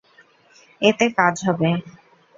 এতে কাজ হবে।